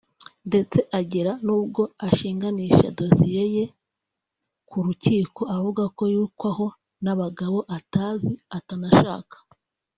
ndetse agera nubwo ashinganisha dosiye ye ku rukiko avuga ko yirukwaho n’abagabo atazi atanashaka